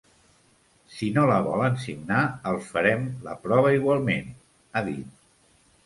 Si no la volen signar, els farem la prova igualment, ha dit.